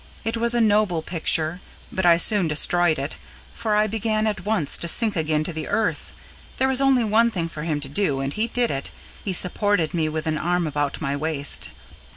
It was a noble picture, but I soon destroyed it, for I began at once to sink again to the earth. There was only one thing for him to do, and he did it; he supported me with an arm about my waist.